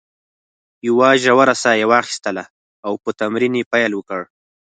یوه ژوره ساه یې واخیستل او په تمرین یې پیل وکړ.